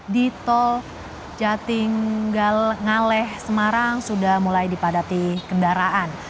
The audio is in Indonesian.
di tol jatinggal ngaleh semarang sudah mulai dipadati kendaraan